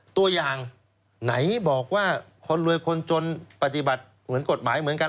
ตัวอย่างไหนบอกว่าคนรวยคนจนปฏิบัติเหมือนกฎหมายเหมือนกัน